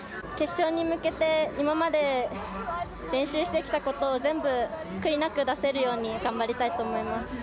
決勝に向けて今まで練習してきたことを全部悔いなく出せるように頑張りたいと思います。